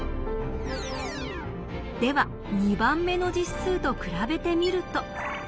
では２番目の実数と比べてみると。